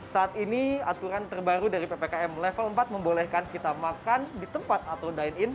saat ini aturan terbaru dari ppkm level empat membolehkan kita makan di tempat atau dine in